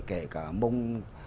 kể cả mông